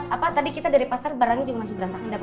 apa tadi kita dari pasar barangnya masih berantakan dapur